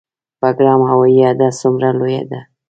بګرام هوایي اډه څومره لویه ده؟